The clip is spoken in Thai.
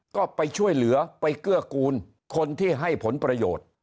ก็ไปช่วยเหลือไปเกื้อกูลคนที่ให้ผลประโยชน์